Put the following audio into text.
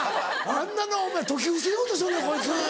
あんなのお前説き伏せようとしとるでこいつ。